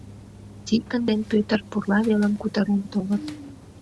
Тикын ден Пӧтыр пурла велым кутырен толыт.